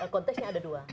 konteksnya ada dua